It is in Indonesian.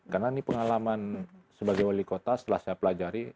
karena ini pengalaman sebagai wali kota setelah saya pelajari